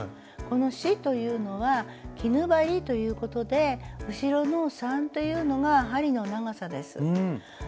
この四というのは絹針ということで後ろの三というのが針の長さです。